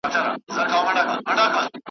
او هر یو د خپل فکر او نظر خاوند دی .